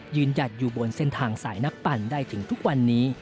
หยัดอยู่บนเส้นทางสายนักปั่นได้ถึงทุกวันนี้